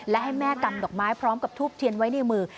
และให้แม่กำดอกไม้พร้อมกับทูบเทียนไว้ในมือ